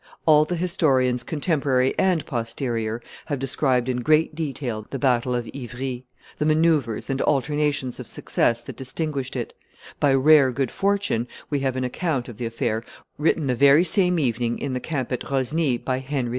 All the historians, contemporary and posterior, have described in great detail the battle of Ivry, the manoeuvres and alternations of success that distinguished it; by rare good fortune, we have an account of the affair written the very same evening in the camp at Rosny by Henry IV.